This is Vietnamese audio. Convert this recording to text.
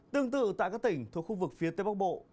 tương tự tại các tỉnh thuộc khu vực phía tây bắc bộ